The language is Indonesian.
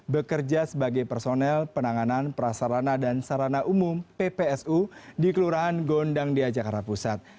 bekerja sebagai personel penanganan prasarana dan sarana umum ppsu di kelurahan gondang dia jakarta pusat